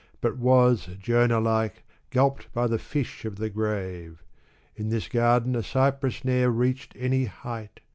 But was, Jonah like, gulped by the iish of the grave. In this garden, a cypress ne'er reached any height.